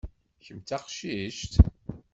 Kem d taqcict?